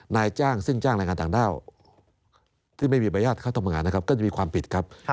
นายจ้างซึ่งจ้างแรงงานต่างด้าวที่ไม่มีบรรยาทเข้าทำงานนะครับก็จะมีความผิดครับ